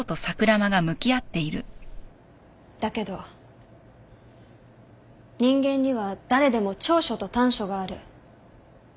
だけど人間には誰でも長所と短所がある。